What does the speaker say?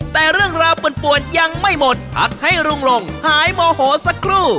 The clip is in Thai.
แต่เรื่องราวป่วนยังไม่หมดพักให้ลุงลงหายโมโหสักครู่